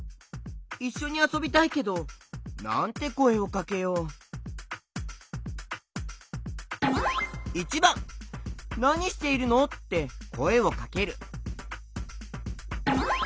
いっしょにあそびたいけどなんてこえをかけよう？ってこえをかける。